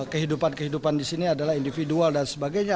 kehidupan kehidupan di sini adalah individual dan sebagainya